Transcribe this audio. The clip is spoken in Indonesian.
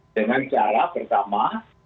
dengan cara pertama